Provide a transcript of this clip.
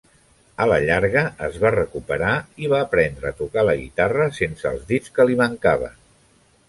A la llarga es va recuperar i va aprendre a tocar la guitarra sense els dits que li mancaven.